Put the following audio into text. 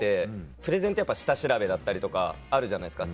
プレゼンって下調べだったりとかあるじゃないですか。